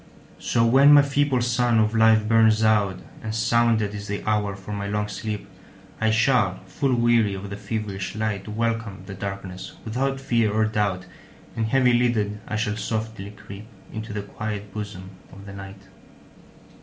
So when my feeble sun of life burns out, And sounded is the hour for my long sleep,I shall, full weary of the feverish light, Welcome the darkness without fear or doubt, And heavy lidded, I shall softly creepInto the quiet bosom of the Night.